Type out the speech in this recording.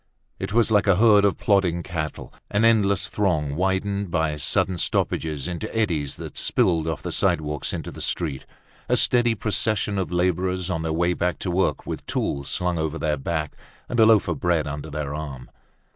It was like a herd of plodding cattle, an endless throng widened by sudden stoppages into eddies that spilled off the sidewalks into the street, a steady procession of laborers on their way back to work with tools slung over their back and a loaf of bread under their arm.